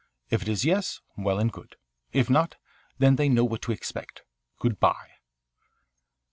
If it is yes, well and good; if not, then they know what to expect. Good bye."